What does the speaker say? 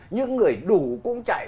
những người đủ cũng chạy